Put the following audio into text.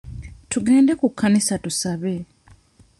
Tugende ku kkanisa tusabe.